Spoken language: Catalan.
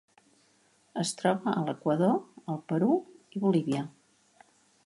Es troba a l'Equador, el Perú i Bolívia.